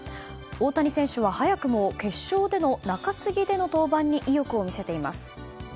大谷選手は早くも決勝での中継ぎでの登板に意欲を見せています。